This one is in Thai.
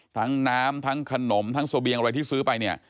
น้ำทั้งขนมทั้งเสบียงอะไรที่ซื้อไปเนี่ย